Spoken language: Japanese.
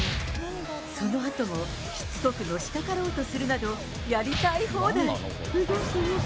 そのあとも、しつこくのしかかろうとするなど、やりたい放題。